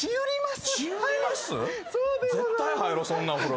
絶対入ろうそんなお風呂。